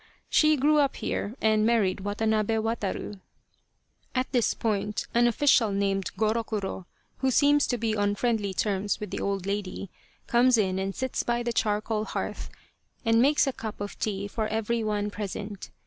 She grew up here and married Watanabe Wataru." 67 The Tragedy of Kesa Gozen At this point an official named Gorokuro, who seems to be on friendly terms with the old lady, comes in and sits by the charcoal hearth and makes a cup of tea for every one present.